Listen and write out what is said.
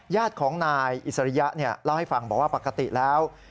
ญาติของนายอิสริยะเล่าให้ฟังบอกว่าปกติแล้ว